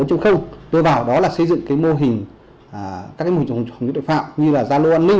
tôi vào đó là xây dựng mô hình các mô hình trọng điểm tội phạm như là gia lô an ninh